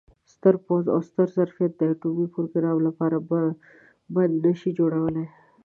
ستر پوځ او ستر ظرفیت د اټومي پروګرام لپاره بند نه شي جوړولای.